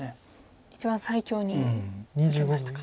一番最強に受けましたか。